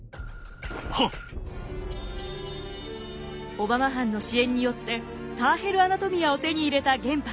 小浜藩の支援によって「ターヘル・アナトミア」を手に入れた玄白。